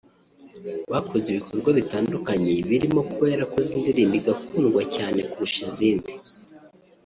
bakoze ibikorwa bitandukanye birimo kuba yarakoze indirimbo igakundwa cyane kurusha izindi